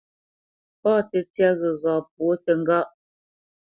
Pâ tə́tyá ghəgha pwǒ təŋgáʼ.